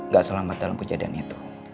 gak selamat dalam kejadian itu